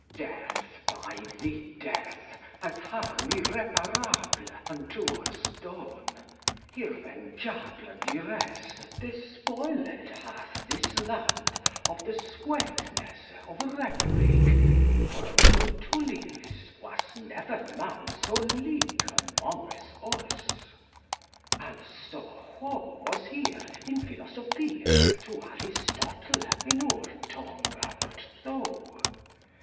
Deth by thy deth hath harme irreparable Unto us doon: hir vengeable duresse Despoiled hath this land of the swetnesse Of rethorik; for unto Tullius Was never man so lyk amonges us. Also who was hier in philosophie To Aristotle in our tonge but thou?